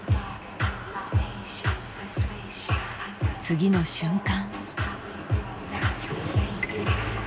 次の瞬間。